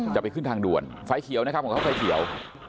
จะไปขึ้นทางด่วนไฟเขียวนะครับของเขาไฟเขียว